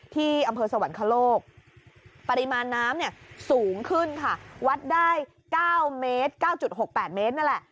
ที่อำเภอสวรรคโลกปริมาณน้ำเนี่ยสูงขึ้นค่ะวัดได้๙เมตร๙๖๘เมตรนั่นแหละ